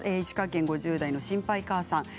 石川県５０代の方です。